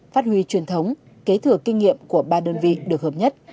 phát huy truyền thống kế thừa kinh nghiệm của ba đơn vị được hợp nhất